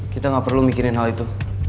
kita gak perlu mikirin hal itu